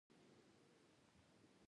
د یوه خاص رواني وضعیت نښه ده.